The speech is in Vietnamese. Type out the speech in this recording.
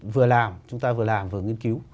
vừa làm chúng ta vừa làm vừa nghiên cứu